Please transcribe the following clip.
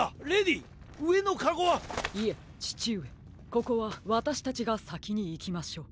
ここはわたしたちがさきにいきましょう。